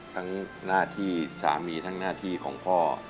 ทั้งหน้าที่สามีทั้งหน้าที่ของพ่อ